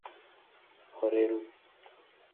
ہریرو